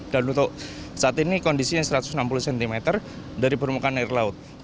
dan untuk saat ini kondisinya satu ratus enam puluh cm dari permukaan air laut